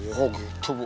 oh gitu bu